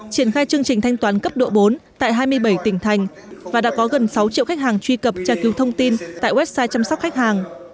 triển khai chương trình thanh toán cấp độ bốn tại hai mươi bảy tỉnh thành và đã có gần sáu triệu khách hàng truy cập tra cứu thông tin tại website chăm sóc khách hàng